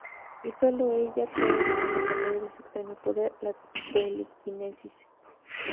Y sólo ella puede detenerlo por medio de su extraño poder: la telequinesis.